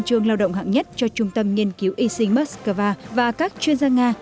trường lao động hạng nhất cho trung tâm nghiên cứu y sinh moscow và các chuyên gia nga